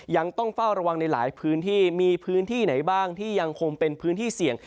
ยังต้องเฝ้าระวังในหลายพื้นที่มีพื้นที่ไหนบ้างที่ยังคงเป็นพื้นที่เสี่ยง